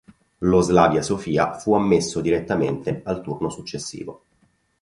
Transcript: Lo Slavia Sofia fu ammesso direttamente al turno successivo.